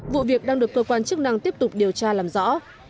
vụ việc đang được cơ quan chức năng tiếp tục điều tra làm rõ